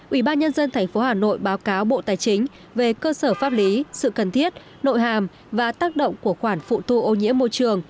ủy ban nhân dân tp hà nội báo cáo bộ tài chính về cơ sở pháp lý sự cần thiết nội hàm và tác động của khoản phụ thu ô nhiễm môi trường